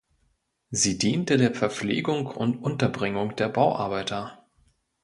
Sie diente der Verpflegung und Unterbringung der Bauarbeiter.